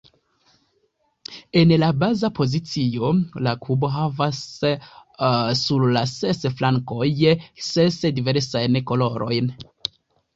En la baza pozicio, la kubo havas sur la ses flankoj ses diversajn kolorojn.